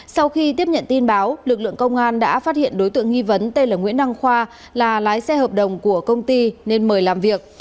sau khi tiếp nhận tin báo lực lượng công an đã phát hiện đối tượng nghi vấn tên là nguyễn đăng khoa là lái xe hợp đồng của công ty nên mời làm việc